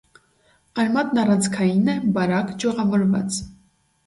Արմատն առանցքային է, բարակ, ճյուղավորված։